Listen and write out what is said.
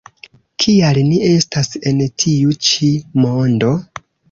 Kial ni estas en tiu ĉi mondo?